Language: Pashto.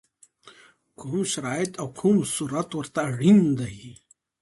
کوم شرایط او کوم صورت ورته اړین دی؟